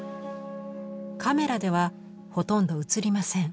カメラではほとんど写りません。